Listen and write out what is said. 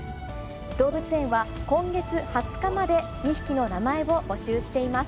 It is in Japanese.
動物園は、今月２０日まで２匹の名前を募集しています。